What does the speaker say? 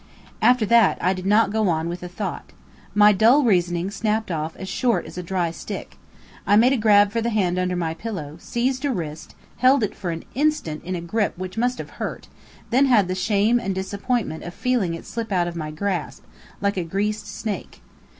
After that, I did not go on with the thought. My dull reasoning snapped off as short as a dry stick. I made a grab for the hand under my pillow, seized a wrist, held it for an instant in a grip which must have hurt, then had the shame and disappointment of feeling it slip out of my grasp, like a greased snake.